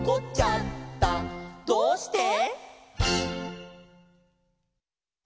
「どうして？」